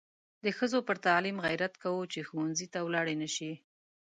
د ښځو پر تعلیم غیرت کوو چې ښوونځي ته ولاړې نشي.